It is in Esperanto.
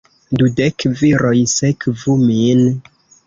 Dudek viroj sekvu min!